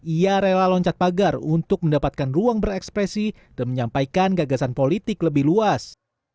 ia rela loncat pagar untuk mendapatkan ruang berekspresi dan menyampaikan gagasan politik lebih luas